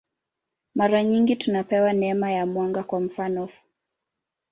Mara nyingi tunapewa neema ya mwanga, kwa mfanof.